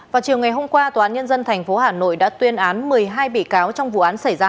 vào chiều ngày hôm qua tòa án nhân dân tp hà nội đã tuyên án một mươi hai bị cáo trong vụ án xảy ra